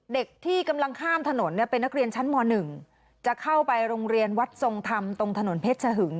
เด็กที่กำลังข้ามถนนเนี่ยเป็นนักเรียนชั้นม๑จะเข้าไปโรงเรียนวัดทรงธรรมตรงถนนเพชรชะหึง